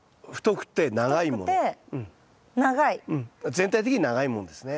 全体的に長いものですね。